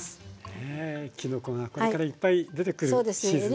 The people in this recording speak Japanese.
ねえきのこがこれからいっぱい出てくるシーズンですね。